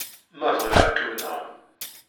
Ma bɣiɣ, ad kem-nɣen.